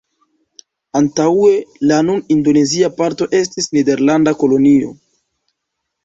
Antaŭe, la nun indonezia parto estis nederlanda kolonio.